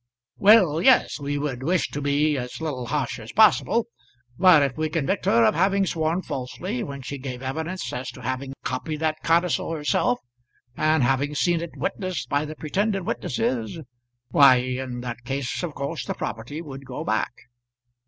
"Well; yes. We would wish to be as little harsh as possible. But if we convict her of having sworn falsely when she gave evidence as to having copied the codicil herself, and having seen it witnessed by the pretended witnesses; why in that case of course the property would go back."